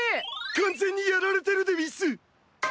完全にやられてるでうぃす！